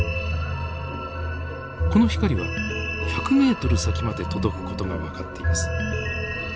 この光は１００メートル先まで届く事が分かっています。